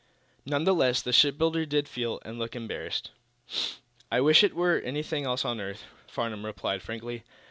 None the less, the shipbuilder did feel and look embarrassed. "I wish it were anything else on earth," Farnum replied, frankly.